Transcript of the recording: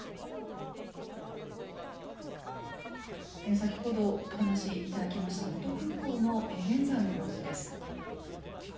先ほど、お話しいただきました能登空港の現在の様子です。